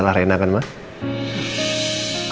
namanya gue pijak